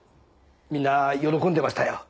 みんな喜んでましたよ。